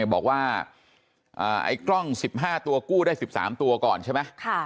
บอกว่าไอ้กล้อง๑๕ตัวกู้ได้๑๓ตัวก่อนใช่ไหม